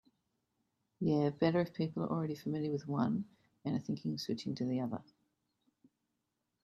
Yeah, better if people are already familiar with one and are thinking of switching to the other.